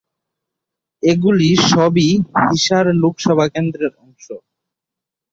এগুলি সবই হিসার লোকসভা কেন্দ্রের অংশ।